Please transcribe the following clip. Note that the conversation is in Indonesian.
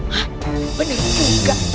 hah bener juga